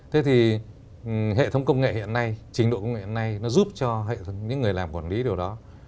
thế thì hệ thống công nghệ hiện nay trình độ công nghệ hiện nay nó giúp cho những người làm quản lý điều đó